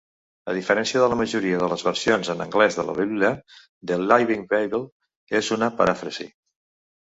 A diferència de la majoria de les versions en anglès de la Bíblia, "The Living Bible" és una paràfrasi.